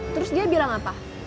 terus dia bilang apa